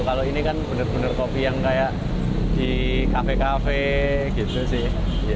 kalau ini kan benar benar kopi yang kayak di kafe kafe gitu sih